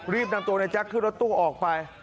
รีบนำตัวนายแจ๊คขึ้นรถตู้ออกไป